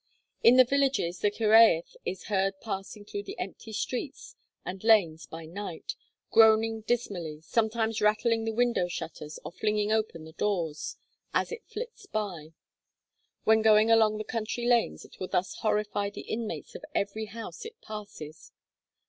In the villages the Cyhyraeth is heard passing through the empty streets and lanes by night, groaning dismally, sometimes rattling the window shutters, or flinging open the door as it flits by. When going along the country lanes it will thus horrify the inmates of every house it passes.